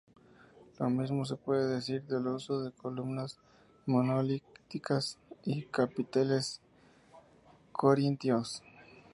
Lo mismo se puede decir del uso de columnas monolíticas y capiteles corintios.